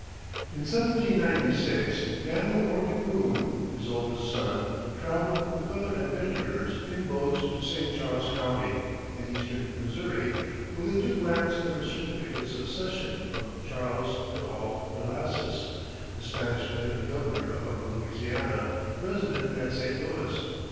In 1796, Daniel Morgan Boone, his oldest son, traveled with other adventurers in boats to St. Charles County, in eastern Missouri, where they took lands under certificates of cession from Charles Dehault Delassus, the Spanish lieutenant governor of Upper Louisiana, resident at St. Louis.